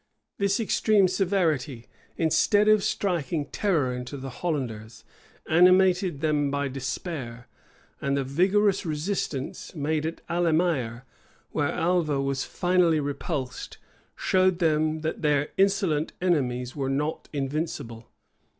[*] This extreme severity, instead of striking terror into the Hollanders, animated them by despair; and the vigorous resistance made at Alemaer, where Alva was finally repulsed, showed them that their insolent enemies were not invincible.